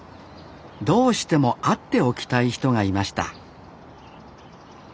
どうしても会っておきたい人がいました